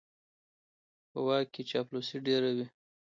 په واک کې چاپلوسي ډېره وي.